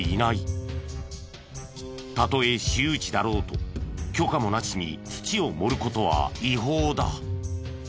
たとえ私有地だろうと許可もなしに土を盛る事は違法だ。